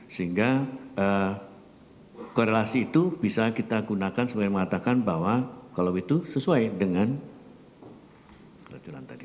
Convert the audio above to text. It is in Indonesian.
sehingga korelasi itu bisa kita gunakan sebagai mengatakan bahwa kalau itu sesuai dengan keleculan tadi